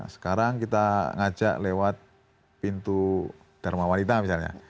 sekarang kita ngajak lewat pintu dharma wanita misalnya